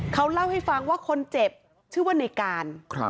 เขาเล่าให้ฟังว่าคนเจ็บชื่อว่าในการ